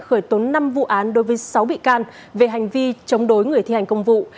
khởi tốn năm vụ án đối với sáu bị can về hành vi chống đối người thi hành công vụ